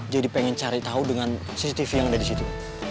jadi pengen cari tahu dengan cctv yang ada disitu